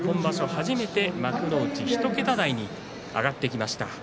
初めて幕内、２桁台に上がってきました。